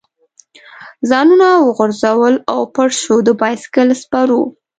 ځانونه وغورځول او پټ شو، د بایسکل سپرو.